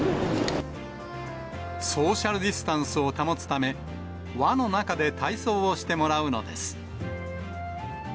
ソーシャルディスタンスを保つため、輪の中で体操をしてもらうのです。